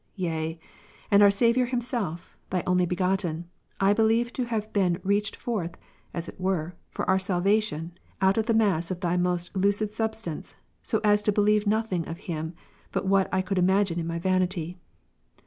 Yea, and our Saviour Himself, Thy Only Begotten, I believed to have been reached forth (as it were) for our salvation, out of the mass " of Thy most lucid substance, so as to believe nothing of Him, but what I could imagine in my vanity.